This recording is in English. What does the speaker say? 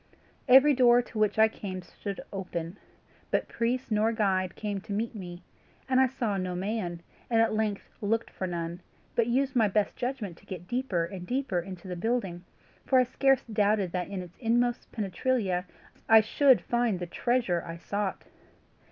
Every door to which I came stood open, but priest nor guide came to meet me, and I saw no man, and at length looked for none, but used my best judgment to get deeper and deeper into the building, for I scarce doubted that in its inmost penetralia I should find the treasure I sought.